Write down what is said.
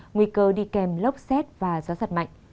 nguy cơ đi kèm lốc xét và gió giật mạnh